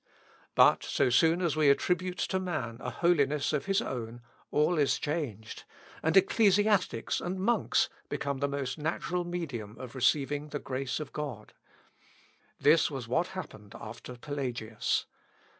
But, so soon as we attribute to man a holiness of his own, all is changed, and ecclesiastics and monks become the most natural medium of receiving the grace of God. This was what happened after Pelagius.